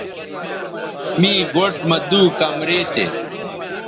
می گوٹھ مہ دُو کمرے تھے